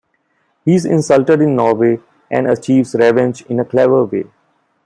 He is insulted in Norway and achieves revenge in a clever way.